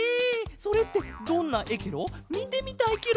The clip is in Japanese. それってどんなえケロ？みてみたいケロ！